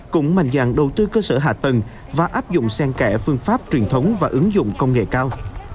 cũng mạnh dạng đầu tư cơ sở hạ tầng và áp dụng sen kẽ phương pháp truyền thống và ứng dụng công nghệ cao